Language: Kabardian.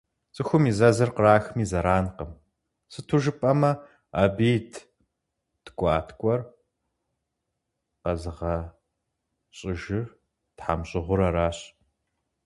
Цӏыхум и зэзыр кърахми зэранкъым, сыту жыпӏэмэ, абы ит ткӏуаткӏуэр къэзыгъэщӏыжыр тхьэмщӏыгъур аращ.